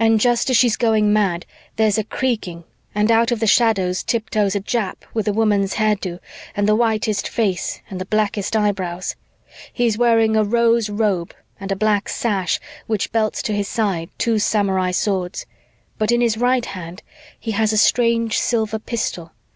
"And just as she's going mad, there's a creaking and out of the shadows tiptoes a Jap with a woman's hairdo and the whitest face and the blackest eyebrows. He's wearing a rose robe and a black sash which belts to his sides two samurai swords, but in his right hand he has a strange silver pistol.